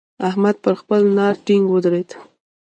احمد پر خپل ناړ ټينګ ودرېد.